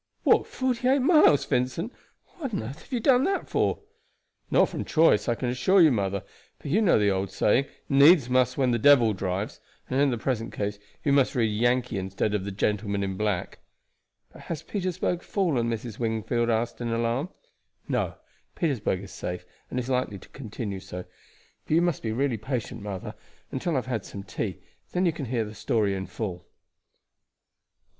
"Walked forty eight miles, Vincent! What on earth have you done that for?" "Not from choice, I can assure you, mother; but you know the old saying, 'Needs must when the devil drives,' and in the present case you must read 'Yankee' instead of 'the gentleman in black.' "But has Petersburg fallen?" Mrs. Wingfield asked in alarm. "No; Petersburg is safe, and is likely to continue so. But you must really be patient, mother, until I have had some tea, then you can hear the story in full."